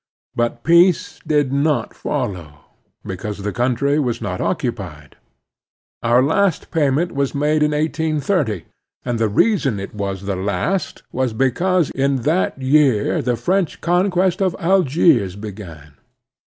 But peace did not follow, because the cotintry was not occupied. Our last payment was made in 1830, and the reason it was the last was because in that year the French conquest of Algiers began.